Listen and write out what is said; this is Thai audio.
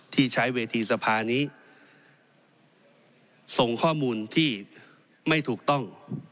ที่ใช้เวทีสภานี้ส่งข้อมูลที่ไม่ถูกต้อง